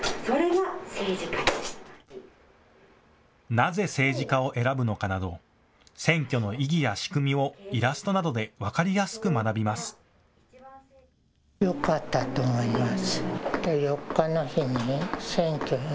なぜ政治家を選ぶのかなど選挙の意義や仕組みをイラストなどで分かりやすく学びます。